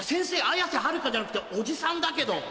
綾瀬はるかじゃなくておじさんだけど？